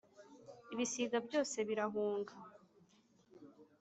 Ibisiga byose birahunga.